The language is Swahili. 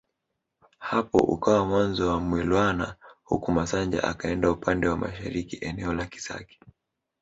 Hapo ukawa mwanzo wa Mwilwana huku Masanja akienda upande wa mashariki eneo la Kisaki